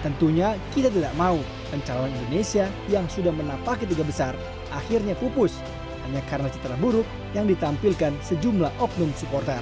tentunya kita tidak mau pencalon indonesia yang sudah menapak ketiga besar akhirnya pupus hanya karena citra buruk yang ditampilkan sejumlah oknum supporter